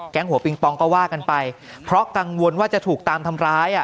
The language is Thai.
หัวปิงปองก็ว่ากันไปเพราะกังวลว่าจะถูกตามทำร้ายอ่ะ